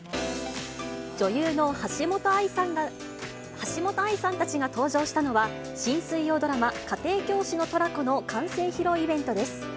女優の橋本愛さんたちが登場したのは、新水曜ドラマ、家庭教師のトラコの完成披露イベントです。